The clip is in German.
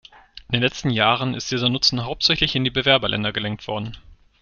In den letzten Jahren ist dieser Nutzen hauptsächlich in die Bewerberländer gelenkt worden.